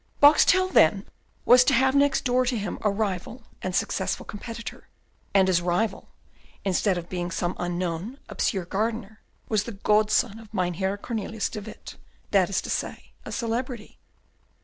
Boxtel, then, was to have next door to him a rival and successful competitor; and his rival, instead of being some unknown, obscure gardener, was the godson of Mynheer Cornelius de Witt, that is to say, a celebrity.